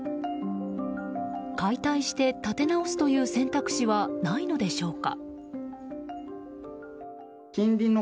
解体して建て直すという選択肢はないのでしょうか。